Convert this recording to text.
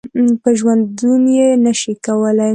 په ژوندوني نه شي کولای .